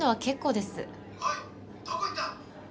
おいどこ行った？